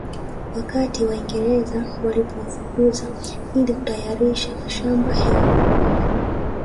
Wakati Waingereza walipowafukuza ili kutayarisha mashamba ya wakoloni